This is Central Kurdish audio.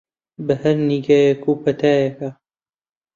بە هەر نیگایەک و پەتایەکە